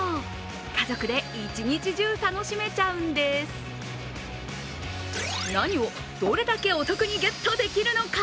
家族で一日中、楽しめちゃうんです何をどれだけお得にゲットできるのか？